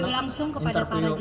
lalu langsung interview kepada